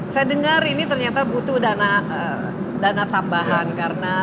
saya dengar ini ternyata butuh dana tambahan karena